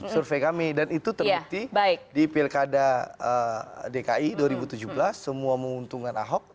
survei kami dan itu terbukti di pilkada dki dua ribu tujuh belas semua menguntungkan ahok